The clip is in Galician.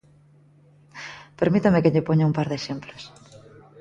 Permítame que lle poña un par de exemplos.